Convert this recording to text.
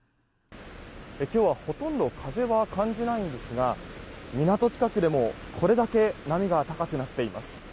今日はほとんど風は感じないんですが港近くでもこれだけ波が高くなっています。